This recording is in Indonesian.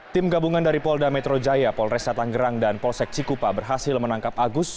tim gabungan dari polda metro jaya polresta tanggerang dan polsek cikupa berhasil menangkap agus